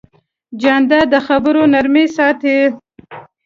جانداد د خبرو نرمي ساتي.